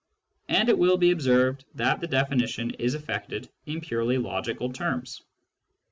And it will be observed that the definition is effected in purely logical terms.